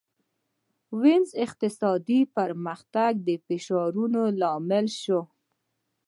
وینز اقتصادي پرمختګ د فشارونو لامل شوی و.